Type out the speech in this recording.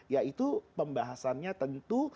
yaitu pembahasannya tentu